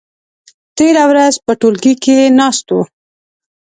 تېره ورځ په ټولګي کې ناست وو.